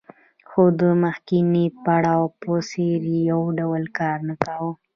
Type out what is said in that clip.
خو د مخکیني پړاو په څېر یې یو ډول کار نه کاوه